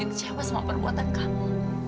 dari kecewa sama perbuatan kamu